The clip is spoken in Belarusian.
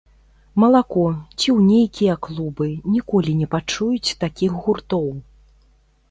Малако, ці ў нейкія клубы, ніколі не пачуюць такіх гуртоў.